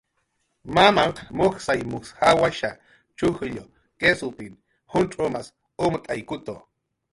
Mamanhq mujsay mujs jawasha, chujllu, kisupin juncx'umas umt'aykutu.